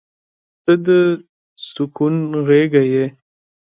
• ته د سکون غېږه یې.